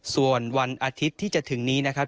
ส่วนวันอาทิตย์ที่จะถึงนี้นะครับ